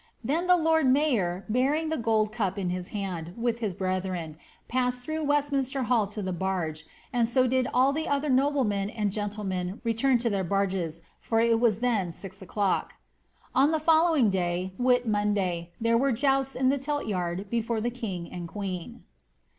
Then the lord mayor bearing the gold cup in his hand, with his brethren, passed through Westminsier Hall to the barge, and so did all the other noblemen and gentlemen return to their barges, for it was then six o'clock.'' On the folio wing day, Whit monday, there were jousts in the Tilt yard before the king and queen.'